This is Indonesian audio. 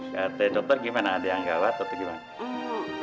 kata dokter gimana ada yang gawat atau gimana